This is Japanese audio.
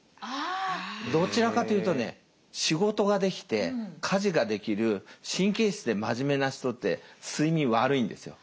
どちらかというとね仕事ができて家事ができる神経質でまじめな人って睡眠悪いんですよ。